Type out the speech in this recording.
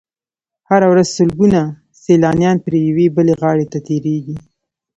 هره ورځ سلګونه سیلانیان پرې یوې بلې غاړې ته تېرېږي.